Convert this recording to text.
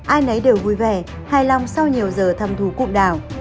ai nấy đều vui vẻ hài lòng sau nhiều giờ thâm thú cụm đảo